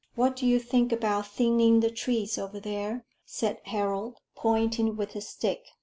"What do you think about thinning the trees over there?" said Harold, pointing with his stick.